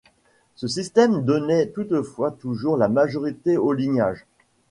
Ce système donnait toutefois toujours la majorité aux Lignages.